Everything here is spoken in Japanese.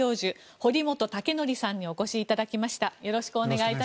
堀本武功さんにお越しいただきました。